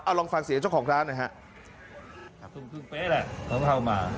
เอาลองฟังเสียเจ้าของร้านนะครับ